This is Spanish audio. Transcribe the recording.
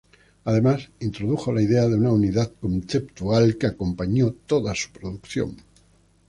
Además, introdujo la idea de unidad conceptual que acompañó toda su producción.